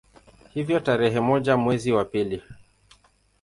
Hivyo tarehe moja mwezi wa pili